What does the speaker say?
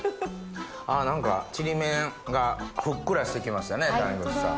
あ何かちりめんがふっくらして来ました谷口さん。